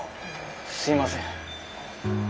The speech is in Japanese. すいません。